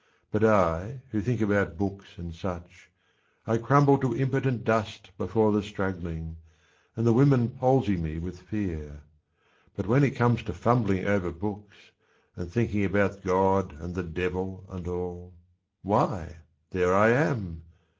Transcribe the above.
But I who think about books and such — I crumble to impotent dust before the struggling, And the women palsy me with fear. But when it comes to fumbling over books And thinking about God and the Devil and all, Why, there I am